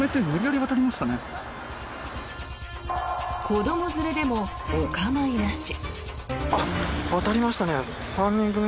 子ども連れでもお構いなし。